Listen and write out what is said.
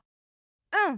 うん！